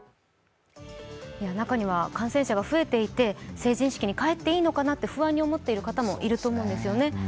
中には感染者が増えていて成人式に帰っていいのかなって不安に思っている方もいると思うんですね。